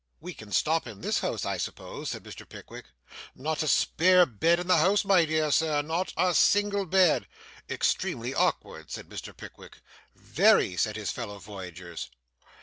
'We can stop in this house, I suppose,' said Mr. Pickwick. 'Not a spare bed in the house, my dear sir not a single bed.' 'Extremely awkward,' said Mr. Pickwick. 'Very,' said his fellow voyagers.